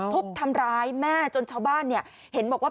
ฮุบทำร้ายแม่จนชาวบ้านเนี่ยเห็นบอกว่าเป็นแบบนี้มานาน